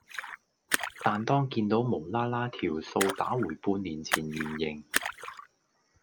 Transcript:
但當見倒無啦啦條數打回半年前原形